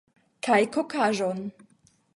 Kaj kokaĵon.